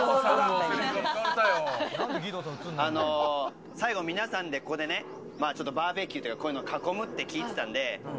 あの、最後、皆さんでここでね、ちょっとバーベキューというか、こういうの囲むって聞いてたんで。